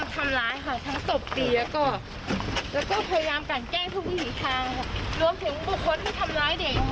ทำร้ายเด็กเจ็บกันแกร่งอยู่ที่นี่ค่ะ